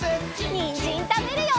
にんじんたべるよ！